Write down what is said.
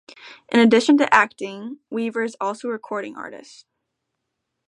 In addition to acting, Weaver is also a recording artist.